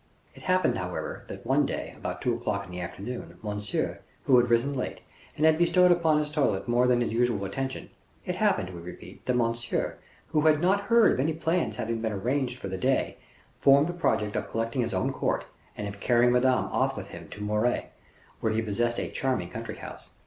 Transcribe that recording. It happened, however, that, one day, about two o'clock in the afternoon, Monsieur, who had risen late, and had bestowed upon his toilet more than his usual attention, it happened, we repeat, that Monsieur, who had not heard of any plans having been arranged for the day, formed the project of collecting his own court, and of carrying Madame off with him to Moret, where he possessed a charming country house.